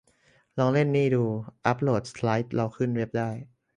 ลองเล่นนี่ดู อัปโหลดสไลด์เราขึ้นเว็บได้